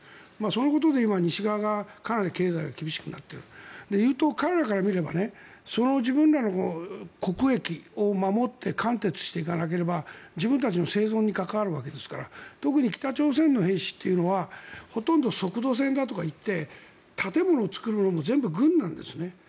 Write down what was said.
そのことで今西側がかなり経済が厳しくなっているというと彼らから見ればその自分らの国益を守って貫徹していかなければ自分たちの生存に関わるわけですから特に北朝鮮の兵士というのはほとんど速度戦だとかいって建物を作るのも全部軍なんです。